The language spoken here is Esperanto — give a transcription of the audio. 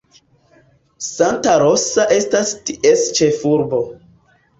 Santa Rosa estas ties ĉefurbo.